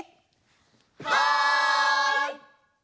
はい！